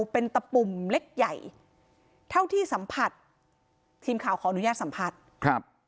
เป็นตะปุ่มเล็กใหญ่เท่าที่สัมผัสทีมข่าวขออนุญาตสัมผัสครับ